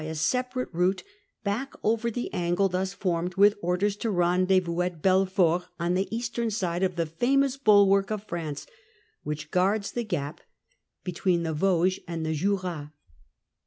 a separate route back over the angle thus formed, with orders to rendezvous at Belfort on the eastern side, the famous bulwark of France which guards the gap between the Vosges and the Jura.